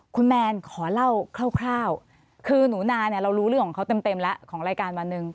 คุณแมนขอเล่าคร่าวคือหนูนาเนี่ยเรารู้เรื่องของเขาเต็มแล้วของรายการวันหนึ่ง